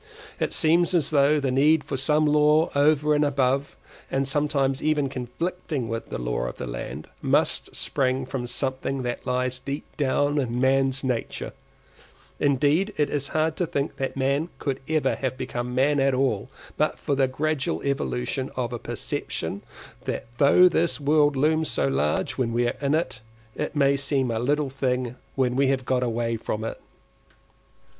It seems as though the need for some law over and above, and sometimes even conflicting with, the law of the land, must spring from something that lies deep down in man's nature; indeed, it is hard to think that man could ever have become man at all, but for the gradual evolution of a perception that though this world looms so large when we are in it, it may seem a little thing when we have got away from it.